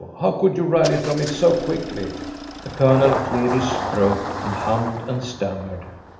How could you rally from it so quickly?" The Colonel cleared his throat and hummed and stammered.